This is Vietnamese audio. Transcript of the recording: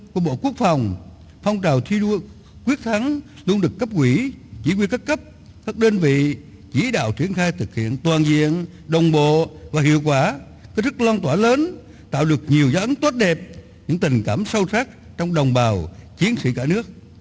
của bộ quốc phòng phong trào thi đua quyết thắng luôn được cấp quỷ chỉ huy các cấp các đơn vị chỉ đạo triển khai thực hiện toàn diện đồng bộ và hiệu quả có sức loan tỏa lớn tạo được nhiều giá ấn tốt đẹp những tình cảm sâu sắc trong đồng bào chiến sĩ cả nước